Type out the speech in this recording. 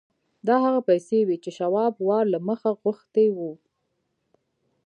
دا هغه پیسې وې چې شواب وار له مخه غوښتي وو